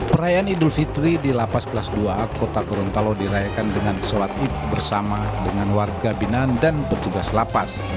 perayaan idul fitri di lapas kelas dua a kota gorontalo dirayakan dengan sholat id bersama dengan warga binaan dan petugas lapas